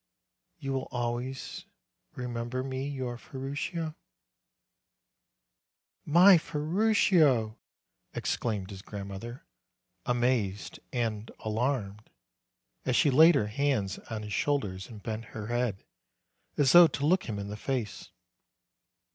You will always remember me your Ferruccio?" "My Ferruccio!" exclaimed his grandmother, amazed and alarmed, as she laid her hands on his shoulders and bent her head, as though to look him in the face.